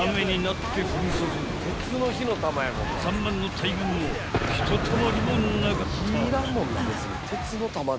［３万の大群もひとたまりもなかった］